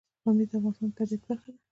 پامیر د افغانستان د طبیعت برخه ده.